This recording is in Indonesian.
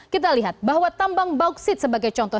kita lihat bahwa tambang bauksit sebagai contoh